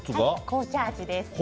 紅茶味です。